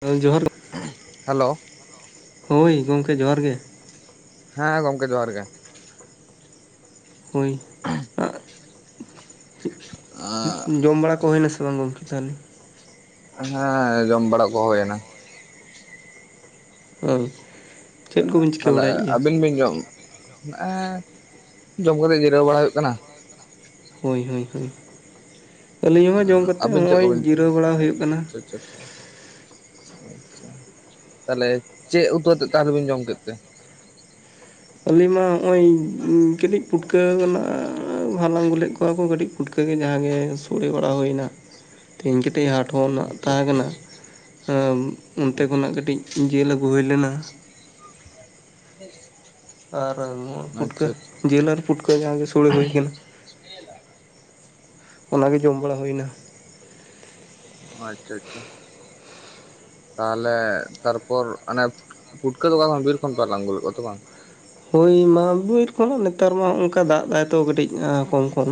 ᱮᱸ ᱡᱚᱦᱟᱨ ᱦᱮᱞᱳ ᱦᱳᱭ ᱜᱚᱢᱠᱮ ᱡᱚᱦᱟᱨ ᱜᱮ᱾ ᱦᱮᱸ ᱜᱚᱝᱠᱮ ᱡᱚᱦᱟᱨ ᱜᱮ ᱦᱳᱭ ᱟᱸᱜ ᱡᱚᱢ ᱵᱟᱲᱟ ᱠᱚ ᱦᱩᱭᱱᱟᱥᱮ ᱵᱟᱝ ᱜᱚᱝᱠᱮ? ᱫᱟᱹᱞ ᱦᱮᱸ ᱡᱚᱢ ᱵᱟᱲᱟ ᱠᱚ ᱦᱩᱭᱮᱱᱟ᱾ [unintelligible] ᱪᱤᱠᱟᱹ ᱛᱟᱦᱞᱮ ᱵᱟᱲᱟᱭᱮᱫ ᱜᱮᱭᱟ ᱟᱹᱵᱤᱱ ᱵᱤᱱ ᱡᱚᱢ, ᱦᱮᱸᱜ ᱮ ᱡᱚᱢ ᱠᱟᱛᱮ ᱡᱤᱨᱟᱹᱣ ᱵᱟᱲᱟ ᱦᱩᱭᱩᱜ ᱠᱟᱱᱟ᱾ ᱦᱳᱭ ᱦᱳᱭ ᱦᱳᱭ ᱟᱹᱞᱤᱧ ᱦᱚᱸ ᱡᱚᱢ ᱠᱟᱛᱮᱜ ᱟᱹᱵᱤᱱ ᱪᱮᱫ ᱱᱚᱜᱼᱚᱭ ᱠᱚᱵᱤᱱ ᱡᱤᱨᱟᱹᱣ ᱵᱟᱲᱟ ᱦᱩᱭᱩᱜ ᱟᱪᱪᱷᱟ ᱠᱟᱱᱟ᱾ ᱟᱪᱪᱷᱟ ᱟᱪᱪᱷᱟ ᱟᱪᱪᱷᱟ ᱟᱪᱪᱷᱟ ᱛᱟᱦᱚᱞᱮ ᱪᱮᱫ ᱩᱛᱩ ᱟᱛᱮᱫ ᱛᱟ ᱫᱚ ᱵᱮᱱ ᱡᱚᱢ ᱠᱮᱫ ᱛᱮ? ᱟᱹᱞᱤᱧ ᱢᱟ ᱦᱸᱚᱜᱼᱚᱭ ᱠᱟᱹᱴᱤᱡ ᱯᱩᱴᱠᱟᱹᱣ ᱱᱟᱜ ᱦᱟᱞᱟᱝ ᱟᱜᱩᱞᱮᱫ ᱠᱚᱣᱟ ᱠᱚ ᱠᱟᱹᱴᱤᱡ ᱯᱷᱩᱴᱠᱟᱹ ᱜᱮ ᱡᱟᱦᱟᱸ ᱜᱮ ᱥᱳᱲᱮ ᱵᱟᱲᱟ ᱦᱩᱭ ᱮᱱᱟ ᱛᱮᱦᱤᱧ ᱠᱟᱹᱴᱤᱡ ᱦᱟᱴ ᱨᱮᱱᱟᱜ ᱟᱪᱪᱷᱟ ᱛᱟᱦᱮᱸ ᱟᱪᱪᱷᱟ ᱠᱟᱱᱟ ᱟᱪᱪᱷᱟ ᱚᱱᱛᱮ ᱠᱷᱚᱱᱟᱜ ᱟᱪᱪᱷᱟ ᱠᱟᱹᱴᱤᱡ ᱡᱤᱞ ᱟᱹᱜᱩ ᱦᱩᱭ ᱞᱮᱱᱟ ᱦᱩᱸ ᱟᱨ ᱯᱩᱴᱠᱟᱹ ᱡᱮᱞ ᱟᱨ ᱯᱩᱴᱠᱟᱹ ᱜᱮ ᱥᱳᱲᱮ ᱦᱩᱭ ᱠᱟᱱᱟ ᱚᱱᱟ ᱜᱮ ᱡᱚᱢ ᱵᱟᱲᱟ ᱦᱩᱭᱱᱟ ᱚ ᱟᱪᱪᱷᱟ ᱟᱪᱪᱷᱟ ᱛᱟᱦᱞᱮ ᱛᱟᱨᱯᱚᱨ ᱚᱱᱮ ᱯᱷᱩᱴᱠᱟᱹ ᱫᱚ ᱵᱟᱝ ᱵᱤᱨ ᱠᱷᱚᱱ ᱯᱮ ᱦᱞᱟᱝ ᱟᱜᱩ ᱞᱮᱜ ᱠᱚᱣᱟ ᱛᱚ ᱵᱟᱝ ᱦᱩᱭ ᱢᱟ ᱵᱤᱨ ᱠᱷᱚᱱ ᱱᱮᱛᱟᱨ ᱢᱟ ᱦᱚᱜᱚᱝᱠᱟ ᱫᱟᱜ ᱫᱟᱭ ᱛᱚ ᱠᱟᱹᱴᱤᱡ ᱠᱚᱢ ᱠᱚᱢ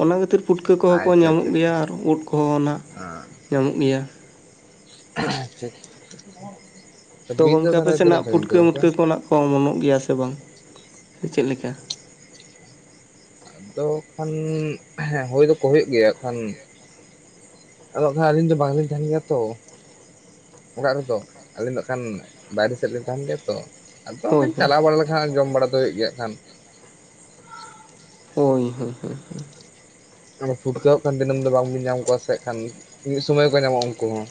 ᱚᱱᱟ ᱠᱷᱟᱹᱛᱤᱨ ᱯᱩᱴᱠᱟᱹ ᱠᱚᱦᱚᱸ ᱠᱚ ᱟᱪᱪᱷᱟ ᱧᱟᱢᱚᱜ ᱟᱪᱪᱷᱟ ᱜᱮᱭᱟ ᱟᱨ ᱩᱫ ᱠᱚᱦᱚᱸ ᱚᱱᱟ ᱧᱟᱢᱚᱜ ᱜᱮᱭᱟ ᱟᱪᱪᱷᱟ ᱛᱚ ᱵᱤᱨ ᱫᱚ ᱜᱚᱝᱠᱮ ᱟᱯᱮ ᱛᱟᱦᱚᱞᱮ ᱥᱮᱱ ᱛᱤᱱᱟᱹᱜ ᱦᱸᱟᱜ ᱥᱟᱺᱜᱤᱧ ᱛᱮ ᱯᱩᱴᱠᱟᱹ ᱜᱚᱢᱠᱮ ᱢᱩᱴᱠᱟᱹ ᱠᱚ ᱱᱟᱦᱜ ᱠᱚ ᱚᱢᱚᱱᱼᱚᱜ ᱜᱮᱭᱟ ᱥᱮ ᱵᱟᱝ ᱪᱮᱫ ᱞᱮᱠᱟ ᱟᱫᱚ ᱠᱷᱟᱱ ᱦᱮᱸ ᱦᱳᱭ ᱫᱚᱠᱚ ᱦᱳᱭᱳᱜ ᱜᱮᱭᱟ ᱠᱷᱟᱱ ᱚᱲᱟᱜ ᱨᱮ ᱟᱹᱞᱤᱧ ᱫᱚ ᱵᱟᱝ ᱞᱤᱧ ᱛᱟᱦᱮᱸᱱ ᱜᱮᱭᱟ ᱛᱚ ᱚᱲᱟᱜ ᱨᱮᱫᱚ ᱟᱹᱞᱤᱧ ᱫᱚ ᱦᱟᱸᱜ ᱠᱷᱟᱱ ᱵᱟᱭᱨᱮ ᱥᱮᱫ ᱞᱤᱧ ᱛᱟᱦᱮᱸᱱ ᱜᱮᱭᱟ ᱛᱚ ᱟᱫᱚ ᱦᱟᱸᱜ ᱦᱳᱭ ᱠᱷᱟᱱ ᱦᱳᱭ ᱪᱟᱞᱟᱣ ᱵᱟᱲᱟ ᱞᱮᱠᱷᱟᱱ ᱡᱚᱢ ᱵᱟᱲᱟ ᱫᱚ ᱦᱩᱭᱩᱜ ᱜᱮᱭᱟ ᱦᱟᱸᱜ ᱠᱷᱟᱱ ᱦᱩᱸ ᱦᱩᱸ ᱦᱩᱸ ᱦᱩᱸ ᱯᱩᱴᱠᱟᱹ ᱦᱟᱸᱜ ᱠᱷᱟᱱ ᱫᱤᱱᱟᱹᱢ ᱫᱚ ᱵᱟᱝᱵᱤᱱ ᱧᱟᱢ ᱠᱚᱣᱟ ᱥᱮ ᱦᱟᱸᱜ ᱠᱷᱟᱱ ᱢᱤᱫ ᱥᱚᱢᱚᱭ ᱠᱚ ᱧᱟᱢᱚᱜᱼᱟ ᱩᱱᱠᱩ ᱦᱚᱸ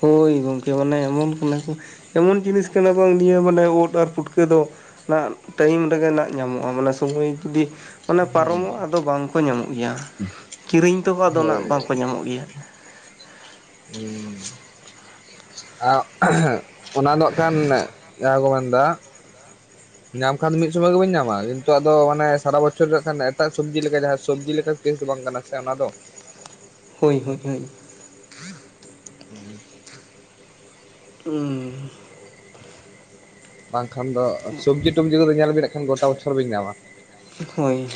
ᱦᱳᱭ ᱜᱚᱢᱠᱮ ᱢᱟᱱᱮ ᱮᱢᱚᱱ ᱠᱟᱱᱟ ᱠᱚ ᱮᱢᱚᱱ ᱡᱤᱱᱤᱥ ᱠᱟᱱᱟ ᱵᱟᱝ ᱱᱤᱭᱟᱹ ᱢᱟᱱᱮ ᱳᱫ ᱟᱨ ᱯᱩᱴᱠᱟᱹ ᱫᱚ ᱚᱱᱟ ᱴᱟᱭᱤᱢ ᱨᱮᱜᱮ ᱱᱟᱦᱜ ᱧᱟᱢᱚᱜᱼᱟ ᱢᱟᱱᱮ ᱥᱳᱚᱢᱚᱭ ᱡᱩᱫᱤ ᱚᱱᱟ ᱦᱩᱸ ᱯᱟᱨᱚᱢᱚᱜᱼᱟ ᱟᱫᱚ ᱵᱟᱝ ᱠᱚ ᱧᱟᱢᱚᱜ ᱜᱮᱭᱟ ᱠᱤᱨᱤᱧ ᱛᱮᱦᱚᱸ ᱟᱫᱚ ᱦᱳᱭ ᱱᱟᱦᱽ ᱵᱟᱝᱠᱚ ᱧᱟᱢᱚᱜ ᱜᱮᱭᱟ ᱦᱩᱸ ᱚᱱᱟ ᱫᱚ ᱦᱟᱸᱜᱠᱷᱟᱱ ᱡᱟᱦᱟᱸ ᱠᱚ ᱢᱮᱱ ᱫᱟ ᱧᱟᱢ ᱠᱷᱟᱱ ᱫᱚ ᱢᱤᱫ ᱥᱚᱢᱚᱭ ᱜᱮᱵᱚᱱ ᱧᱟᱢ ᱟ ᱠᱤᱱᱛᱩ ᱟᱫᱚ ᱦᱟᱱᱮ ᱥᱟᱨᱟ ᱵᱚᱪᱷᱚᱨ ᱨᱮ ᱦᱟᱸᱜᱠᱷᱟᱱ ᱮᱴᱟᱜ ᱥᱚᱵᱽᱡᱤ ᱞᱮᱠᱟ ᱡᱟᱦᱟᱸ ᱥᱚᱵᱽᱡᱤ ᱞᱮᱠᱟ ᱛᱤᱥ ᱫᱚ ᱵᱟᱝ ᱠᱟᱱᱟ ᱥᱮ ᱚᱱᱟ ᱫᱚ ᱦᱳᱭ ᱦᱳᱭ ᱦᱳᱭ ᱦᱩᱸ ᱦᱩᱸ ᱵᱟᱝᱠᱷᱟᱱ ᱫᱚ ᱥᱚᱵᱽᱡᱤ ᱴᱚᱵᱡᱤ ᱠᱚᱫᱚ ᱧᱮᱞ ᱵᱮᱱ ᱦᱟᱸᱠᱷᱟᱱ ᱜᱚᱴᱟ ᱵᱚᱪᱷᱚᱨ ᱵᱤᱱ ᱧᱟᱢ ᱟ ᱦᱳᱭ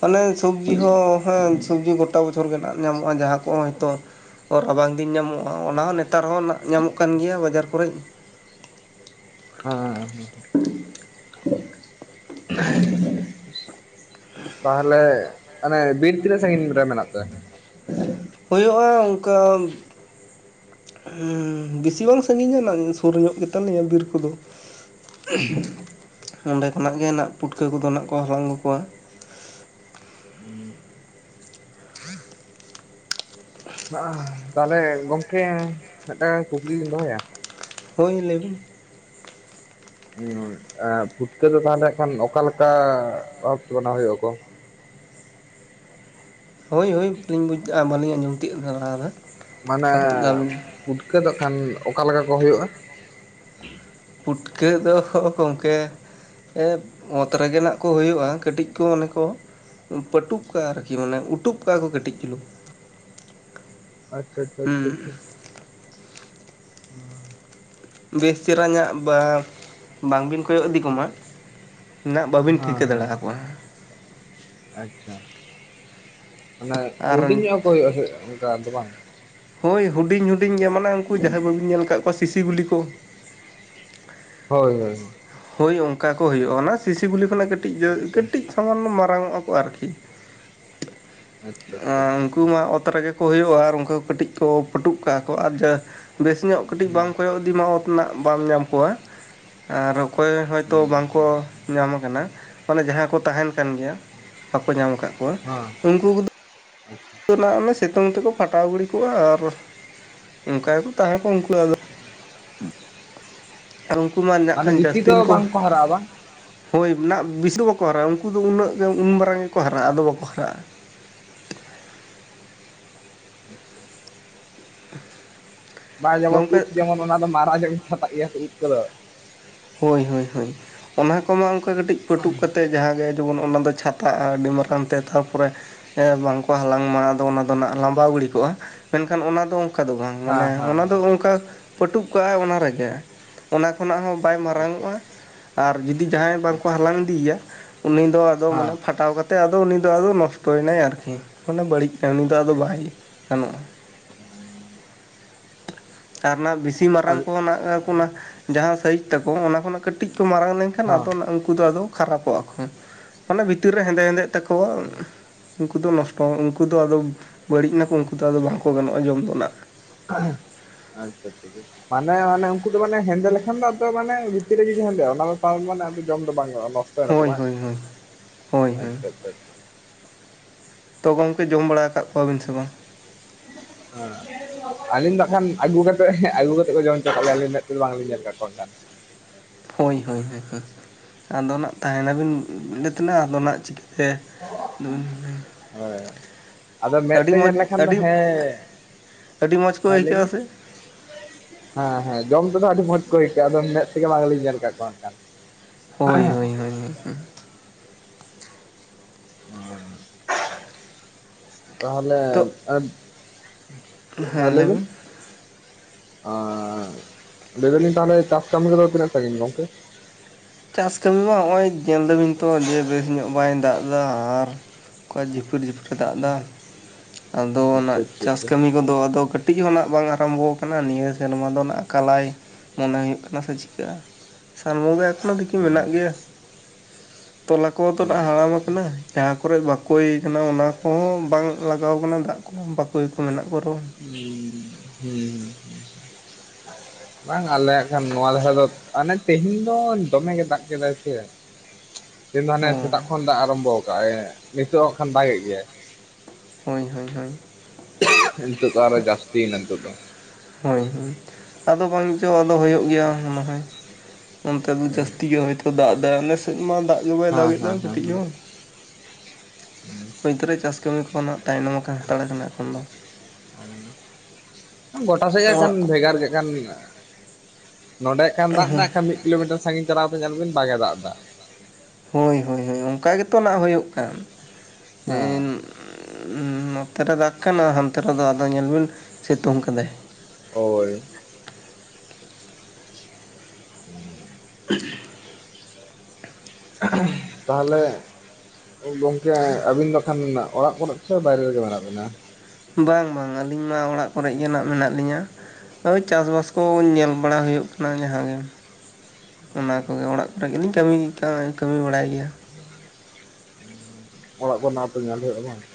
ᱢᱟᱱᱮ ᱥᱚᱵᱡᱤ ᱦᱚᱸ ᱦᱮᱸ ᱥᱚᱵᱽᱡᱤ ᱜᱚᱴᱟ ᱵᱚᱪᱷᱚᱨ ᱜᱮ ᱱᱟᱦᱜ ᱧᱟᱢᱚᱜᱼᱟ ᱡᱟᱦᱟᱸ ᱠᱚᱸ ᱦᱳᱭᱛᱚ ᱨᱟᱵᱟᱝ ᱫᱤᱱ ᱧᱟᱢᱚᱜᱼᱟ ᱚᱱᱟ ᱦᱚᱸ ᱱᱮᱛᱟᱨ ᱦᱚᱸ ᱱᱟᱦᱜ ᱧᱟᱢᱚᱜ ᱠᱟᱱ ᱜᱮᱭᱟ ᱵᱟᱡᱟᱨ ᱠᱚᱨᱮᱫ ᱦᱮᱸ ᱦᱮᱸ ᱛᱟᱦᱚᱞᱮ ᱚᱱᱮ ᱵᱤᱨ ᱛᱱᱟᱹᱜ ᱥᱟᱹᱜᱤᱧ ᱨᱮ ᱢᱮᱱᱟᱜ ᱯᱮᱭᱟ ᱦᱩᱭᱩᱜᱼᱟ ᱚᱱᱠᱟ ᱦᱮᱸ ᱵᱮᱥᱤ ᱵᱟᱝ ᱥᱟᱹᱜᱤᱧᱟ ᱥᱩᱨ ᱧᱚᱜ ᱜᱮᱛᱟ ᱞᱮᱭᱟ ᱵᱤᱨ ᱠᱚᱫᱚ ᱚᱸᱰᱮ ᱠᱷᱚᱱᱟᱜ ᱜᱮ ᱱᱟᱦᱜ ᱯᱩᱴᱠᱟᱹ ᱠᱚᱫᱚ ᱱᱟᱦᱜ ᱠᱚ ᱦᱟᱞᱟᱝ ᱟᱹᱜᱩ ᱠᱚᱣᱟ ᱛᱟᱦᱚᱞᱮ ᱜᱚᱝᱠᱮ ᱢᱤᱫᱴᱟᱝ ᱠᱩᱠᱞᱤ ᱞᱤᱧ ᱫᱚᱦᱚᱭᱟ ᱦᱳᱭ ᱞᱟᱹᱭ ᱵᱤᱱ ᱯᱷᱩᱴᱠᱟᱹ ᱫᱚ ᱛᱟᱦᱚᱞᱮ ᱦᱟᱸᱜᱠᱷᱟᱱ ᱠᱷᱟᱱ ᱚᱠᱟ ᱞᱮᱠᱟ ᱵᱷᱟᱵᱛᱮ ᱵᱮᱱᱟᱣ ᱦᱩᱭᱩᱜ ᱟᱠᱚ ᱦᱳᱭ ᱦᱳᱭ ᱵᱟᱹᱞᱤᱧ ᱵᱩᱡᱽ ᱵᱟᱹᱞᱤᱧ ᱟᱸᱡᱚᱢ ᱛᱤᱭᱳᱜ ᱞᱮᱫᱟ ᱞᱟᱦᱟ ᱫᱚ ᱢᱟᱱᱮ ᱯᱩᱴᱠᱟᱹ ᱫᱚ ᱦᱸᱟᱜᱠᱷᱟᱱ ᱚᱠᱟ ᱞᱮᱠᱟ ᱠᱚ ᱦᱳᱭᱳᱜᱼᱟ ᱯᱩᱴᱠᱟᱹ ᱫᱚ ᱜᱚᱢᱠᱮ ᱚᱛ ᱨᱮᱜᱮ ᱱᱟᱦᱜ ᱠᱚ ᱦᱩᱭᱩᱜᱼᱟ ᱠᱟᱹᱴᱤᱡ ᱠᱚ ᱢᱟᱱᱮ ᱠᱚ ᱯᱟᱹᱴᱩᱵ ᱠᱚᱣᱟ ᱟᱨᱠᱤ ᱢᱟᱱᱮ ᱩᱴᱩᱵ ᱠᱚᱣᱟ ᱠᱚ ᱠᱟᱹᱴᱤᱡ ᱪᱩᱞᱩᱝ ᱟᱪᱪᱷᱟ ᱟᱪᱷᱟ ᱟᱪᱷᱟ ᱦᱩᱸ ᱟᱪᱷᱟ ᱚ ᱵᱮᱥ ᱪᱮᱦᱨᱟ ᱧᱟᱜ ᱵᱟ ᱵᱟᱝᱵᱤᱱ ᱠᱚᱭᱚᱜ ᱤᱫᱤ ᱠᱚᱢᱟ ᱱᱟᱜ ᱵᱟᱹᱵᱤᱱ ᱦᱮᱸ ᱴᱷᱤᱠᱟᱹ ᱫᱟᱲᱮ ᱦᱮᱸ ᱟᱠᱚᱣᱟ ᱟᱪᱪᱷᱟ, ᱢᱟᱱᱮ ᱦᱩᱰᱤᱧ ᱟᱨ ᱧᱚᱜ ᱦᱳᱠᱚ ᱦᱩᱭᱩᱜᱼᱟ ᱥᱮ ᱚᱱᱠᱟ ᱫᱚ ᱵᱟᱝ? ᱦᱳᱭ ᱦᱩᱰᱤᱧ ᱦᱩᱰᱤᱧ ᱜᱮ ᱢᱟᱱᱮ ᱩᱱᱠᱩ ᱡᱟᱦᱟᱸᱭ ᱵᱟᱹᱵᱤᱱ ᱧᱮᱞ ᱟᱠᱟᱫ ᱠᱚᱣᱟ ᱥᱤᱥᱤ ᱜᱩᱞᱤ ᱠᱚ ᱦᱳᱭ ᱦᱳᱭ, ᱦᱳᱭ ᱚᱱᱠᱟ ᱠᱚ ᱦᱩᱭᱩᱜᱼᱟ ᱾ ᱚᱱᱟ ᱥᱤᱥᱤ ᱜᱩᱞᱤ ᱠᱷᱚᱱᱟᱜ ᱠᱟᱹᱴᱤᱡ ᱫᱚ ᱟᱪᱪᱷᱟ ᱠᱟᱹᱴᱤᱡ ᱥᱟᱢᱟᱱ ᱢᱟᱨᱟᱝ ᱚᱜ ᱟᱠᱚ ᱟᱨᱠᱤ᱾ ᱟᱪᱪᱷᱟ ᱟᱪᱪᱷᱟ ᱱᱩᱠᱩ ᱢᱟ ᱚᱛ ᱨᱮᱜᱮ ᱠᱚ ᱦᱩᱭᱩᱜᱼᱟ ᱟᱨ ᱩᱱᱠᱩ ᱠᱟᱹᱴᱤᱡ ᱠᱚ ᱯᱟᱹᱴᱩᱜ ᱠᱟᱜᱼᱟ ᱠᱚ᱾ ᱟᱨ ᱡᱟ ᱵᱮᱥ ᱧᱚᱜ ᱠᱟᱹᱴᱤᱡ ᱵᱟᱝ ᱠᱚᱭᱚᱜ ᱤᱫᱤᱢᱟ ᱚᱛ ᱨᱮᱱᱟᱜ ᱵᱟᱢ ᱧᱟᱢ ᱠᱚᱣᱟ᱾ ᱟᱨ ᱚᱠᱚᱭ ᱦᱚᱭᱛᱚ ᱵᱟᱝᱠᱚ ᱧᱟᱢ ᱟᱠᱟᱱᱟ᱾ ᱢᱟᱱᱮ ᱡᱟᱦᱟᱸ ᱠᱚ ᱛᱟᱦᱮᱱ ᱠᱟᱱ ᱜᱮᱭᱟ ᱵᱟᱠᱚ ᱧᱟᱢ ᱟᱠᱟᱫ ᱠᱚᱣᱟ ᱩᱱᱠᱩ ᱠᱚᱫᱚ ᱟᱪᱪᱷᱟ, ᱩᱱᱠᱩ ᱱᱟᱜ ᱚᱱᱮ ᱥᱤᱛᱩᱝ ᱛᱮᱠᱚ ᱯᱷᱟᱴᱟᱣ ᱜᱤᱲᱤ ᱠᱚᱜᱼᱟ ᱾ ᱟᱨ, ᱚᱱᱠᱟ ᱜᱮᱠᱚ ᱛᱟᱦᱮᱸ ᱠᱚ ᱩᱱᱠᱩ ᱟᱫᱚ ᱟᱨ ᱩᱱᱠᱩ ᱢᱟ ᱱᱟᱜ ᱢᱟᱱᱮ ᱠᱷᱟᱱ ᱵᱮᱥᱤ ᱡᱟᱹᱥᱛᱤᱱ ᱫᱚ ᱠᱚ ᱵᱟᱝᱠᱚ ᱦᱟᱨᱟᱜᱼᱟ ᱵᱟᱝ? ᱦᱳᱭ ᱱᱟᱜ ᱵᱤᱥ ᱫᱚ ᱵᱟᱠᱚ ᱦᱟᱨᱟᱜᱼᱟ᱾ ᱩᱱᱠᱩ ᱫᱚ ᱩᱱᱟᱹᱜ ᱜᱮ ᱩᱱ ᱢᱟᱨᱟᱨᱟᱝ ᱜᱮᱠᱚ ᱦᱟᱨᱟᱜᱼᱟ ᱟᱫᱚ ᱵᱟᱠᱚ ᱦᱟᱨᱟᱜᱼᱟ᱾ [inaudible] [inaudible] ᱵᱟ ᱡᱮᱢᱚᱱ ᱩᱫ ᱜᱚᱢᱠᱮ ᱡᱮᱢᱚᱱ ᱚᱱᱟ ᱫᱚ ᱢᱟᱨᱟᱜ ᱡᱮᱢᱚᱱ ᱪᱷᱟᱛᱟᱜ ᱜᱮᱭᱟ ᱾ ᱩᱫ ᱠᱚᱫᱚ ᱦᱳᱭ ᱦᱳᱭ ᱚᱱᱟ ᱠᱚᱢᱟ ᱚᱱᱠᱟ ᱠᱟᱹᱴᱤᱡ ᱯᱟᱴᱩᱵ ᱠᱟᱛᱮ ᱡᱟᱦᱟᱸ ᱜᱮ ᱡᱮᱢᱚᱱ ᱚᱱᱟ ᱫᱚ ᱪᱷᱟᱛᱟᱜᱼᱟ ᱟᱹᱰᱤ ᱢᱟᱨᱟᱝ ᱛᱮ ᱛᱟᱨᱯᱚᱨᱮ ᱵᱟᱝᱠᱚ ᱦᱟᱞᱟᱝᱢᱟ ᱟᱫᱚ ᱚᱱᱟ ᱫᱚ ᱞᱟᱵᱟᱣ ᱜᱤᱲᱤ ᱠᱚᱜᱼᱟ᱾ ᱢᱮᱱᱠᱷᱟᱱ ᱚᱱᱟ ᱫᱚ ᱚᱱᱠᱟ ᱫᱚ ᱵᱟᱝ᱾ ᱢᱟᱱᱮ ᱦᱮᱸ ᱦᱮᱸ ᱚᱱᱟ ᱫᱚ ᱦᱮᱸ ᱚᱱᱠᱟ ᱯᱟᱹᱴᱩᱵ ᱠᱟᱜᱼᱟᱭ ᱚᱱᱟ ᱨᱮᱜᱮ ᱾ ᱚᱱᱟ ᱠᱷᱚᱱᱟᱜ ᱦᱚᱸ ᱵᱟᱭ ᱟᱪᱪᱷᱟ ᱟᱪᱪᱷᱟ ᱢᱟᱨᱟᱝᱚᱜᱼᱟ᱾ ᱦᱮᱸ ᱟᱨ ᱡᱩᱫᱤ ᱡᱟᱦᱟᱸᱭ ᱟᱨ ᱵᱟᱝᱠᱚ ᱦᱟᱞᱟᱝ ᱤᱫᱤᱭᱮᱭᱟ ᱩᱱᱤ ᱫᱚ ᱟᱫᱚ ᱢᱟᱱᱮ ᱯᱷᱟᱴᱟᱣ ᱠᱟᱛᱮ ᱟᱫᱚ ᱩᱱᱤ ᱫᱚ ᱟᱫᱚ ᱱᱚᱥᱴᱚᱭᱱᱟᱭ ᱟᱨᱠᱤ ᱢᱟᱱᱮ ᱵᱟᱹᱲᱤᱡ᱾ ᱩᱱᱤ ᱫᱚ ᱟᱫᱚ ᱵᱟᱭ ᱜᱟᱱᱚᱜᱼᱟ ᱾ ᱟᱨ ᱱᱟᱜ ᱵᱤ ᱥᱤ ᱢᱟᱨᱟᱝ ᱠᱚᱦᱚᱸ ᱱᱟᱜ ᱚᱱᱟ ᱠᱚ ᱚᱱᱟ ᱡᱟᱦᱟᱸ ᱥᱟᱹᱭᱤᱡ ᱛᱟᱠᱚ ᱚᱱᱟ ᱠᱷᱚᱱᱟᱜ ᱠᱟᱹᱴᱤᱡ ᱠᱚ ᱢᱟᱨᱟᱝ ᱞᱮᱱᱠᱷ ᱟᱱ ᱟᱫᱚ ᱦᱮᱸ ᱩᱱᱠᱩ ᱫᱚ ᱟᱫᱚ ᱠᱷᱟᱨᱟᱯᱚᱜ ᱟᱠᱚ ᱾ ᱢᱟᱱᱮ ᱵᱷᱤᱛᱤᱨ ᱨᱮ ᱦᱮᱸᱫᱮ ᱦᱮᱸᱫᱮ ᱛᱟᱠᱚᱣᱟ ᱩᱱᱠᱩ ᱫᱚ ᱱᱚᱥᱴᱚᱜ ᱾ ᱩᱱᱠᱩ ᱫᱚ ᱟᱫᱚ ᱵᱟᱹᱲᱤᱡ ᱮᱱᱟᱠᱚ ᱾ ᱩᱱᱠᱩ ᱫᱚ ᱟᱫᱚ ᱵᱟᱝᱠᱚ ᱜᱟᱱᱚᱜᱼᱟ ᱡᱚᱢ ᱫᱚᱱᱟᱜ᱾ ᱟᱪᱪᱷᱟ ᱟᱪᱪᱷᱟ, ᱢᱟᱱᱮ ᱢᱟᱱᱮ ᱩᱱᱠᱩ ᱫᱚ ᱢᱟᱱᱮ ᱦᱮᱸᱫᱮ ᱞᱮᱠᱷᱟᱱ ᱫᱚ ᱢᱟᱱᱮ ᱵᱷᱤᱛᱤᱨ ᱨᱮᱜᱮ ᱦᱮᱸᱫᱮᱜᱼᱟ ᱚᱱᱟ ᱫᱚ ᱢᱟᱱᱮ ᱡᱚᱢ ᱫᱚ ᱵᱟᱝ ᱜᱟᱱᱼᱟ ᱱᱚᱥᱴ ᱟᱠᱚ ᱦᱳᱭ ᱵᱟᱝ, ᱦᱳᱭ ᱦᱳᱭ ᱦᱳᱭ ᱦᱳᱭ ᱟᱪᱪᱷᱟ ᱟᱪᱪᱷᱟ ᱟᱪᱪᱷᱟ᱾ ᱛᱚ ᱜᱚᱢᱠᱮ ᱡᱚᱢ ᱵᱟᱲᱟ ᱟᱠᱟᱫ ᱠᱚᱣᱟᱵᱤᱱ ᱥᱮ ᱵᱟᱝ? ᱦᱮᱸ, ᱟᱹᱞᱤᱧ ᱫᱚ ᱠᱷᱟᱱ ᱟᱹᱜᱩ ᱠᱟᱛᱮᱫ ᱟᱹᱜᱩ ᱠᱟᱛᱮᱫ ᱠᱚ ᱡᱚᱢ ᱦᱚᱪᱚ ᱠᱟᱜ ᱞᱮᱭᱟ ᱟᱹᱞᱤᱧ ᱛᱮᱫ ᱫᱚ ᱵᱟᱝᱞᱤᱧ ᱧᱮᱞ ᱠᱟᱜ ᱠᱚᱣᱟ ᱟᱠᱷᱟᱱ᱾ ᱦᱳᱭ ᱦᱳᱭ ᱦᱳᱭ᱾ ᱟᱫᱚ ᱱᱟᱜ ᱛᱟᱦᱮᱱᱟᱵᱤᱱ ᱛᱮᱱᱟᱜ ᱟᱫᱚ ᱪᱤᱠᱟᱹᱛᱮ ᱟᱫᱚᱵᱤᱱ ᱦᱮᱸ ᱟᱫᱚ ᱢᱮᱫ ᱛᱮ ᱧᱮᱞ ᱞᱮᱠᱷᱟᱱ ᱫᱚ ᱟᱹᱰᱤ ᱦᱮᱸ, ᱟᱹᱰᱤ ᱢᱚᱡᱽ ᱠᱚ ᱦᱮᱸ ᱞᱟᱹᱭ ᱟᱹᱭᱠᱟᱹᱜᱼᱟ ᱵᱤᱱ? ᱥᱮ ᱦᱮᱸ ᱦᱮᱸ ᱡᱚᱢ ᱛᱮᱫᱚ ᱟᱹᱰᱤ ᱢᱚᱡᱽ ᱠᱚ ᱟᱹᱭᱠᱟᱹᱜᱼᱟ ᱾ ᱟᱫᱚ ᱢᱮᱫ ᱛᱮᱜᱮ ᱵᱟᱝ ᱜᱮᱞᱤᱧ ᱧᱮᱞ ᱠᱟᱜ ᱠᱚᱣᱟ ᱦᱟᱸᱜ ᱠᱷᱟᱱ᱾ ᱦᱳᱭ ᱦᱳᱭ ᱦᱳᱭ᱾ ᱚᱻ ᱾ ᱛᱟᱦᱚᱞᱮ ᱛᱚ ᱟᱨ ᱦᱮᱸ ᱞᱟᱹᱭ ᱞᱟᱹᱭᱵᱤᱱ? ᱵᱤᱱ ᱟᱨ ᱞᱟᱹᱭ ᱫᱟᱞᱤᱧ ᱛᱟᱦᱚᱞᱮ ᱪᱟᱥ ᱠᱟᱹᱢᱤ ᱠᱚᱫᱚ ᱛᱤᱱᱟᱹᱜ ᱥᱟᱺᱜᱤᱱ ᱜᱚᱝᱠᱮ? ᱪᱟᱥ ᱠᱟᱹᱢᱤ ᱢᱟ ᱱᱚᱜᱼᱚᱭ ᱧᱮᱞ ᱫᱟᱹᱵᱤᱱ ᱛᱚ ᱡᱮ ᱵᱮᱥ ᱧᱚᱜ ᱵᱟᱭ ᱫᱟᱜ ᱫᱟ ᱾ ᱟᱨ ᱚᱱᱠᱟ ᱡᱷᱤᱯᱤᱨ ᱡᱷᱤᱯᱤᱨ ᱮ ᱫᱟᱜ ᱮᱫᱟ ᱟᱫᱚ ᱟᱪᱪᱷᱟ ᱱᱟᱜ ᱟᱪᱪᱷᱟ ᱪᱟᱥ ᱟᱪᱪᱷᱟ ᱠᱟᱹᱢᱤ ᱠᱚᱫᱚ ᱟᱫᱚ ᱠᱟᱹᱴᱤᱡ ᱦᱚᱸ ᱱᱟᱜ ᱵᱟᱝ ᱟᱨᱟᱢᱵᱷᱚ ᱟᱠᱟᱱᱟ ᱱᱤᱭᱟᱹ ᱥᱮᱨᱢᱟ ᱫᱚ ᱱᱟᱜ ᱟᱞᱟᱭ᱾ ᱢᱚᱱᱟᱭ ᱦᱩᱭᱩᱜ ᱠᱟᱱᱟ ᱥᱮ ᱪᱤᱠᱟᱹᱜᱼᱟ᱾ ᱥᱟᱱ ᱵᱚᱸᱜᱟ ᱚᱱᱟᱛᱮᱠᱤ ᱢᱮᱱᱟᱜ ᱜᱮᱭᱟ ᱾ ᱛᱚᱞᱟ ᱠᱚ ᱛᱚ ᱦᱟᱲᱟᱢ ᱟᱠᱟᱱᱟ᱾ ᱡᱟᱦᱟᱸ ᱠᱚᱨᱮ ᱵᱟᱠᱚᱭ ᱠᱟᱱᱟ ᱚᱱᱟ ᱠᱚᱦᱚᱸ ᱵᱟᱝ ᱞᱟᱜᱟᱣ ᱠᱟᱱᱟ ᱫᱟᱜ ᱠᱚ ᱾ ᱵᱟᱠᱚᱭ ᱠᱚ ᱢᱮᱱᱟᱜ ᱠᱚ ᱨᱮᱦᱚᱸ᱾ ᱦᱩᱸ ᱦᱩᱸ ᱦᱩᱸ ᱾ ᱵᱟᱝ ᱟᱞᱮ ᱦᱟᱸᱜ ᱠᱷᱟᱱ ᱱᱚᱣᱟ ᱫᱷᱟᱨᱟ ᱫᱚ ᱟᱱᱮ ᱛᱮᱦᱮᱧ ᱫᱚ ᱫᱚᱢᱮ ᱜᱮ ᱫᱟᱜ ᱠᱮᱫᱟᱭ ᱥᱮ᱾ ᱛᱮᱦᱮᱧ ᱫᱚ ᱦᱟᱱᱮ ᱚ ᱥᱮᱛᱟᱜ ᱠᱷᱚᱱ ᱫᱟᱜ ᱟᱨᱟᱢᱵᱚ ᱠᱟᱜᱟᱭ ᱱᱤᱛᱳᱜ ᱦᱚᱸ ᱠᱷᱟᱱ ᱫᱟᱜᱮᱫ ᱜᱮᱭᱟᱭ ᱾ ᱦᱳᱭ ᱦᱳᱭ ᱦᱳᱭ ᱾ ᱱᱤᱛᱚᱜ ᱫᱚ ᱟᱨᱦᱚ ᱡᱟᱹᱥᱛᱤᱮᱱᱟ ᱱᱤᱛᱚᱜ ᱫᱚ ᱦᱳᱭ ᱦᱳᱭ ᱟᱫᱚ ᱵᱟᱝᱪᱚ ᱟᱫᱚ ᱦᱩᱭᱩᱜ ᱜᱮᱭᱟ ᱱᱚᱜ-ᱚᱭ ᱱᱚᱱᱛᱮ ᱫᱚ ᱡᱟᱹᱥᱛᱤ ᱜᱮ ᱦᱚᱭᱛᱚ ᱫᱟᱜ ᱫᱟᱭ ᱾ ᱟᱞᱮ ᱥᱮᱫ ᱢᱟ ᱫᱟᱜ ᱜᱮ ᱵᱟᱭ ᱦᱮᱸ ᱫᱟᱜᱮᱫ ᱫᱚ ᱦᱮᱸ ᱦᱮᱸ ᱠᱟᱹᱴᱤᱡ ᱦᱚᱸ ᱾ [inaudible] ᱮᱱᱛᱮ ᱨᱮ ᱪᱟᱥ ᱠᱟᱹᱢᱤ ᱠᱷᱚᱱᱟᱜ ᱛᱟᱭᱱᱚᱢ ᱟᱠᱟᱱ ᱦᱟᱱᱛᱟᱲ ᱠᱟᱱᱟ ᱮᱠᱷᱚᱱ ᱫᱚ ᱾ ᱜᱚᱴᱟ ᱥᱮᱫ ᱜᱮ ᱠᱷᱟᱱ ᱚᱲᱟᱜ ᱠᱚ᱾ ᱵᱷᱮᱜᱟᱨ ᱜᱮ ᱠᱷᱟᱱ ᱾ ᱱᱚᱸᱰᱮ ᱠᱷᱟᱱ ᱫᱟᱜ ᱫᱟ ᱮᱠᱷᱟᱱ ᱢᱤᱫ ᱠᱤᱞᱳᱢᱤᱴᱟᱨ ᱥᱟᱺᱜᱤᱧ ᱪᱟᱞᱟᱣ ᱠᱟᱛᱮ ᱧᱮᱞ ᱵᱤᱱ ᱵᱟᱝ ᱮ ᱫᱟᱜ ᱫᱟ ᱾ ᱦᱳᱭ ᱦᱳᱭ ᱦᱳᱭ ᱚᱱᱠᱟ ᱜᱮᱛᱚ ᱱᱟᱜ ᱦᱩᱭᱩᱜ ᱠᱟᱱ [inaudible] ᱦᱮᱸ ᱮᱱ ᱾ ᱱᱚᱛᱮ ᱨᱮ ᱫᱟᱜ ᱠᱷᱟᱱ ᱦᱟᱱᱛᱮ ᱨᱮᱫᱚ ᱟᱫᱚ ᱧᱮᱞ ᱵᱤᱱ ᱥᱤᱛᱩᱝ ᱠᱟᱫᱟᱭ ᱾ ᱦᱳᱭ [inaudible] [unintelligible] ᱛᱟᱦᱚᱞᱮ ᱜᱚᱝᱠᱮ ᱟᱹᱵᱤᱱ ᱫᱚ ᱠᱷᱟᱱ ᱚᱲᱟᱜ ᱠᱚᱨᱮ ᱥᱮ ᱵᱟᱭᱨᱮ ᱨᱮᱜᱮ ᱢᱮᱱᱟᱜ ᱵᱤᱱᱟ ᱵᱟᱝ ᱵᱟᱝ ᱟᱹᱞᱤᱧ ᱢᱟ ᱚᱲᱟᱜ ᱠᱚᱨᱮ ᱜᱮ ᱱᱟᱜ ᱢᱮᱱᱟᱜ ᱞᱤᱧᱟ ᱾ ᱦᱳᱭ ᱪᱟᱥ ᱵᱟᱥ ᱠᱚ ᱧᱮᱞ ᱵᱟᱲᱟ ᱦᱩᱭᱩᱜ ᱠᱟᱱᱟ ᱡᱟᱦᱟᱸ ᱜᱮ ᱾ ᱚᱱᱟ ᱠᱚᱜᱮ ᱚᱲᱟᱜ ᱠᱚᱨᱮ ᱜᱮᱞᱤᱧ ᱠᱟᱹᱢᱤ ᱠᱟᱭ ᱠᱟᱹᱢᱤ ᱵᱟᱲᱟᱭ ᱜᱮᱭᱟ ᱾ ᱚᱲᱟᱜ ᱠᱚ ᱱᱟᱦᱟᱛᱚ ᱧᱮᱞ ᱦᱩᱭᱩᱜᱼᱟ ᱵᱟᱝ ᱾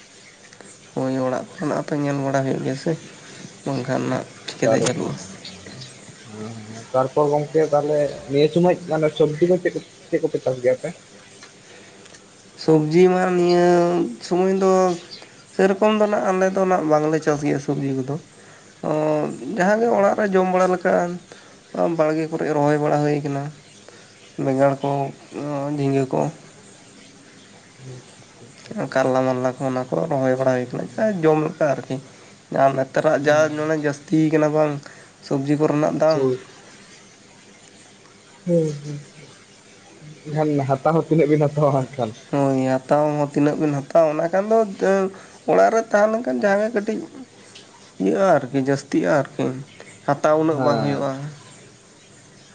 ᱦᱳᱭ ᱚᱲᱟᱜ ᱠᱚᱨᱮᱱᱟᱜ ᱦᱚᱸᱛᱚ ᱧᱮᱞ ᱵᱟᱲᱟ ᱦᱩᱭᱩᱜ ᱜᱮᱭᱟ ᱥᱮ ᱾ ᱵᱟᱝᱠᱷᱟᱱ ᱱᱟᱜ ᱪᱤᱠᱟᱹᱛᱮ ᱟᱫᱚ [unintelligible] ᱪᱟᱹᱞᱩᱜᱼᱟ ᱦᱮᱸ ᱛᱟᱨᱯᱚᱨ ᱜᱚᱝᱠᱮ ᱛᱟᱦᱚᱞᱮ ᱱᱤᱭᱟᱹ ᱥᱩᱢᱩᱭ ᱢᱟᱱᱮ ᱥᱚᱵᱽᱡᱤ ᱠᱚᱯᱮ ᱪᱮᱫ ᱠᱚᱯᱮ ᱪᱟᱥ ᱜᱮᱭᱟᱯᱮ ᱾ ᱥᱚᱵᱽᱡᱤ ᱢᱟ ᱱᱤᱭᱟᱹ ᱥᱩᱢᱩᱭ ᱫᱚ ᱥᱮᱨᱚᱠᱚᱢ ᱫᱚ ᱱᱟᱜ ᱟᱞᱮ ᱫᱚ ᱱᱟᱜ ᱵᱟᱝᱞᱮ ᱪᱟᱥ ᱜᱮᱭᱟ ᱥᱚᱵᱽᱡᱤ ᱠᱚᱫᱚ ᱚ ᱡᱟᱦᱟᱸ ᱜᱮ ᱚᱲᱟᱜ ᱨᱮ ᱡᱚᱢ ᱵᱟᱲᱟ ᱞᱮᱠᱟ᱾ ᱵᱟᱲᱜᱮ ᱠᱚᱨᱮᱜᱮ ᱨᱚᱦᱚᱭ ᱵᱟᱲᱟ ᱦᱩᱭ ᱟᱠᱟᱱᱟ ᱵᱮᱸᱜᱟᱲ ᱠᱚ ᱡᱷᱤᱸᱜᱟᱹ ᱠᱚ ᱾ [unintelligible] ᱠᱟᱨᱞᱟ ᱢᱟᱨᱞᱟ ᱠᱚ ᱚᱱᱟ ᱠᱚ ᱨᱚᱦᱚᱭ ᱵᱟᱲᱟ ᱦᱩᱭ ᱠᱟᱱᱟ ᱟᱭ ᱡᱚᱢ ᱞᱮᱠᱟ ᱟᱨᱠᱤ ᱾ ᱟᱨ ᱱᱮᱛᱟᱨᱟᱜ ᱡᱟ ᱱᱚᱰᱮ ᱡᱟᱹᱥᱛᱤ ᱠᱟᱱᱟ ᱵᱟᱝ ᱥᱚᱵᱽᱡᱤ ᱠᱚᱨᱮᱱᱟᱜ ᱫᱟᱢ ᱾ ᱦᱮᱸ ᱦᱮᱸ ᱮᱱᱠᱷᱟᱱ ᱦᱟᱛᱟᱣ ᱦᱚᱸ ᱛᱤᱱᱟᱹᱜ ᱵᱤᱱ ᱦᱟᱛᱟᱣᱟ ᱮᱠᱷᱟᱱ᱾ ᱦᱳᱭ ᱦᱟᱛᱟᱣ ᱦᱚᱸ ᱛᱤᱱᱟᱹᱜ ᱵᱤᱱ ᱦᱟᱛᱟᱣᱟ ᱚᱱᱟ ᱠᱷᱟᱱ ᱫᱚ ᱫᱟᱹ ᱚᱲᱟᱜ ᱨᱮ ᱛᱟᱦᱮᱸᱞᱮᱱ ᱠᱷᱟᱱ ᱡᱟᱦᱟᱸᱜᱮ ᱠᱟᱹᱴᱤᱡ ᱤᱭᱟᱹᱜᱼᱟ ᱟᱨᱠᱤ ᱡᱟᱹᱥᱛᱤᱜᱼᱟ ᱟᱨᱠᱤ ᱾ ᱦᱮᱸ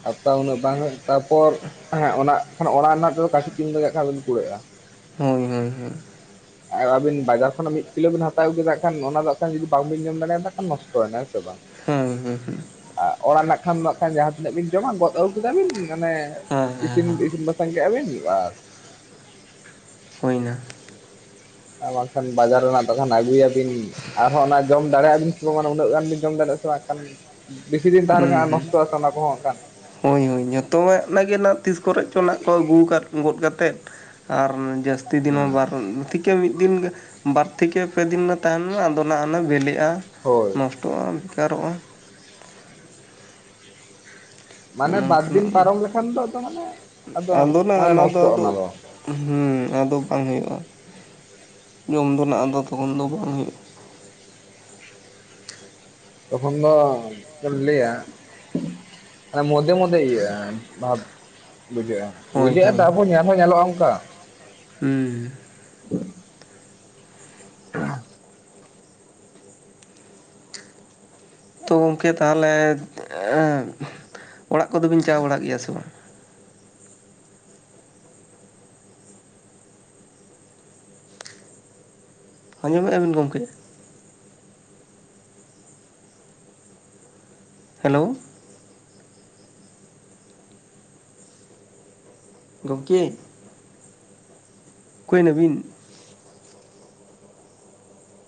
ᱦᱟᱛᱟᱣ ᱩᱱᱟᱹᱜ ᱵᱟᱝ ᱦᱩᱭᱩᱜ-ᱟ ᱛᱟᱯᱚᱨ ᱾ ᱦᱮᱸ ᱚᱱᱟ ᱚᱱᱟ ᱚᱲᱟᱜ ᱨᱮᱱᱟᱜ ᱫᱚ ᱠᱟᱹᱴᱤᱡ ᱛᱤᱸ ᱞᱟᱜᱟᱜ ᱠᱷᱟᱱ ᱫᱚ ᱠᱩᱲᱟᱹᱜᱼᱟ ᱦᱳᱭ ᱦᱳᱭ ᱦᱳᱭ ᱟᱨ ᱟᱹᱵᱤᱱ ᱵᱟᱡᱟᱨ ᱠᱷᱚᱱᱟᱜ ᱢᱤᱫ ᱠᱤᱞᱳ ᱵᱮᱱ ᱦᱟᱛᱟᱣ ᱟᱹᱜᱩ ᱠᱮᱫᱟ ᱠᱷᱟᱱ ᱚᱱᱟ ᱫᱚ ᱠᱷᱟᱱ ᱡᱩᱫᱤ ᱵᱟᱝ ᱵᱤᱱ ᱡᱚᱢ ᱫᱟᱲᱭᱟᱫᱟᱜᱼᱟ ᱠᱷᱟᱱ ᱱᱚᱥᱴᱚᱭᱮᱱᱟ ᱦᱮᱸ ᱥᱮ ᱵᱟᱝ ᱾ ᱦᱮᱸ ᱦᱮᱸ ᱦᱩᱸ ᱟ ᱚᱲᱟᱜ ᱨᱮᱱᱟᱜ ᱠᱷᱟᱱ ᱱᱟᱜ ᱠᱷᱟᱱ ᱡᱟᱦᱟᱸ ᱛᱤᱱᱟᱹᱜ ᱵᱤᱱ ᱡᱚᱢᱟ ᱜᱚᱫ ᱟᱹᱜᱩ ᱠᱮᱫᱟ ᱵᱤᱱ ᱢᱟᱱᱮ ᱤᱥᱤᱱ ᱤᱥᱤᱱ ᱵᱟᱥᱟᱝ ᱵᱟᱥᱟᱝ ᱠᱮᱜ ᱟᱵᱤᱱ ᱵᱟᱥ᱾ ᱦᱩᱭ ᱱᱟ᱾ ᱟᱨ ᱵᱟᱝᱠᱷᱟᱱ ᱵᱟᱡᱟᱨ ᱨᱮᱱᱟᱜ ᱛᱚᱠᱷᱟᱱ ᱟᱹᱜᱩᱭᱟᱵᱤᱱ ᱟᱨᱦᱚᱸ ᱚᱱᱟ ᱡᱚᱢ ᱫᱟᱲᱮᱭᱟᱜᱼᱟᱵᱤᱱ ᱥᱮ ᱵᱟᱝ ᱩᱱᱟᱹᱜ ᱜᱟᱱ ᱵᱤᱱ ᱡᱚᱢ ᱫᱟᱲᱮᱭᱟᱜᱼᱟ ᱥᱮ ᱵᱟᱝᱠᱷᱟᱱ ᱵᱮᱥᱤ ᱫᱤᱱ ᱛᱟᱦᱮᱸᱱᱠᱷᱟᱱ ᱦᱩᱸ ᱟᱨ ᱦᱩᱸ᱾ ᱱᱚᱥᱴᱚᱜᱼᱟ ᱥᱮ ᱚᱱᱟ ᱠᱚᱦᱚᱸ ᱮᱠᱷᱟᱱ ᱾ ᱦᱳᱭ ᱦᱳᱭ ᱡᱚᱛᱚᱣᱟᱜ ᱚᱱᱟᱜᱮ ᱱᱟᱜ ᱛᱤᱥ ᱠᱚᱨᱮ ᱪᱚ ᱱᱟᱜ ᱠᱚ ᱟᱹᱜᱩ ᱟᱠᱟᱫ ᱜᱚᱫ ᱠᱟᱛᱮᱫ ᱾ ᱟᱨ [unintelligible] ᱡᱟᱹᱥᱛᱤ ᱫᱤᱱ ᱦᱚᱸ ᱦᱮᱸ ᱵᱟᱨ ᱛᱷᱮᱠᱮ ᱢᱤᱽᱫᱤᱱ ᱵᱟᱨ ᱛᱷᱮᱠᱮ ᱯᱮ ᱫᱤᱱ ᱱᱟᱜ ᱛᱟᱦᱮᱱ ᱢᱮ ᱟᱫᱚ ᱚᱱᱟ ᱚᱱᱟ ᱵᱮᱞᱮ ᱦᱳᱭ ᱱᱚᱥᱴᱚᱜᱼᱟ ᱵᱮᱠᱟᱨᱚᱜᱼᱟ ᱾ ᱢᱟᱱᱮ ᱚᱱᱮ ᱵᱟᱨ ᱫᱤᱱ ᱚᱱᱠᱟᱱᱟᱜ ᱯᱟᱨᱚᱢ ᱞᱮᱠᱷᱟᱱ ᱫᱚ ᱟᱫᱚ ᱢᱟᱱᱮ ᱾ ᱟᱫᱚ ᱱᱟᱜ ᱚᱱᱟ ᱫᱚ ᱟᱫᱚ ᱦᱮᱸ ᱟᱫᱚ ᱵᱟᱝ ᱦᱩᱭᱩᱜᱼᱟ ᱾ ᱡᱚᱢ ᱫᱚ ᱱᱟᱜ ᱟᱫᱚ ᱛᱟᱵᱚᱱ ᱫᱚ ᱵᱟᱝ ᱦᱩᱭᱩᱜ-ᱟ᱾ ᱛᱚᱠᱷᱚᱱ ᱫᱚ ᱪᱮᱜ-ᱮᱢ ᱞᱟᱹᱭᱟ ᱟᱨ ᱢᱚᱫᱮ ᱢᱚᱫᱮ ᱤᱭᱟᱹᱜ-ᱟ ᱵᱷᱟᱯ ᱵᱩᱡᱷᱟᱹᱜ-ᱟ᱾ ᱦᱳᱭ ᱵᱩᱡᱷᱟᱹᱜ-ᱟ ᱦᱳᱭ ᱛᱟᱨᱯᱚᱨ ᱧᱮᱞ ᱦᱚᱸ ᱧᱮᱞᱚᱜ-ᱟ ᱚᱱᱠᱟ᱾ ᱦᱩᱸ᱾ [inaudible] ᱛᱚ ᱜᱚᱝᱠᱮ ᱛᱟᱦᱚᱞᱮ ᱮᱸᱫ ᱚᱲᱟᱜ ᱠᱚᱫᱚ ᱵᱤᱱ ᱪᱟᱞᱟᱣ ᱵᱟᱲᱟᱜ ᱜᱮᱭᱟ ᱥᱮ ᱵᱟᱝ? ᱟᱸᱡᱚᱢᱮᱜ-ᱟ ᱵᱤᱱ ᱜᱚᱢᱠᱮᱼᱼ ᱦᱮᱞᱳᱣ᱾ ᱜᱚᱝᱠᱮ ᱚᱠᱟᱭ ᱱᱟᱹᱵᱤᱱ?